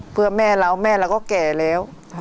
เพื่อแม่เราแม่เราก็แก่แล้ว